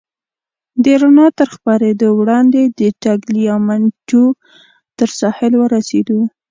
د رڼا تر خپرېدو وړاندې د ټګلیامنټو تر ساحل ورسېدو.